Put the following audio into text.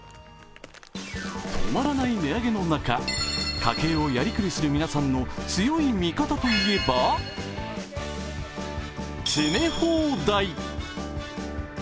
止まらない値上げの中、家計をやりくりする皆さんの強い味方といえば詰め放題。